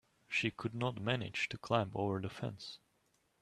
She could not manage to climb over the fence.